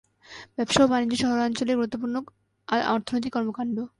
ব্যবসা ও বাণিজ্য শহরাঞ্চলের গুরুত্বপূর্ণ অর্থনৈতিক কর্মকাণ্ড।